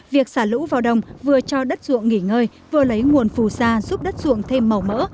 việc xả lũ vào đồng vừa cho đất ruộng nghỉ ngơi vừa lấy nguồn phù sa giúp đất ruộng thêm màu mỡ